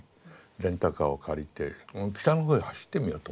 レンタカーを借りて北のほうへ走ってみようと思った。